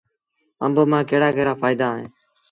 آݩب مآݩ ڪهڙآ ڪهڙآ ڦآئيدآ اوهيݩ